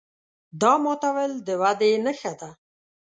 دا ماتول د ودې نښه ده.